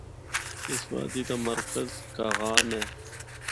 اس وادی دا مرکز کاغان اے۔